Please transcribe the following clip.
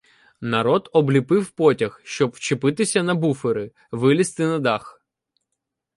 Народ обліпив потяг, щоб вчепитися на буфери, вилізти на дах.